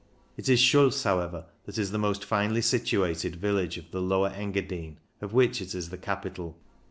It is Schuls, however, that is the most finely situated village of the Lower Enga dine, of which it is the capital.